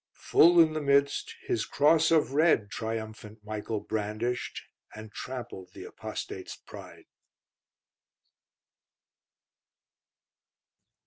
Full in the midst, his Cross of Red Triumphant Michael brandished, And trampled the Apostate's pride.